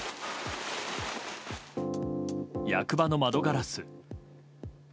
役場の窓ガラス。